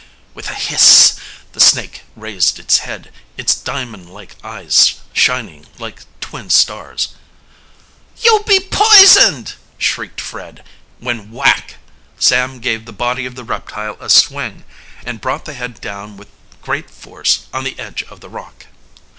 With a hiss the snake raised its head, its diamond like eyes shining like twin stars. "You'll be poisoned!" shrieked Fred, when whack! Sam gave the body of the reptile a swing and brought the head down with great force on the edge of the rock.